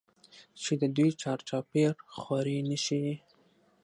چې د دوى چار چاپېر خورې نښي ئې